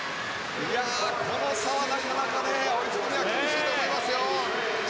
この差はなかなか追いつくには厳しいと思います。